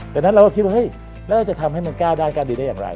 จากนั้นเราก็คิดว่าแล้วจะทำให้มัน๙ด้าน๙ดีได้อย่างไร